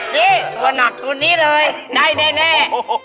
นี่ตัวหนักตัวนี้เลยได้แน่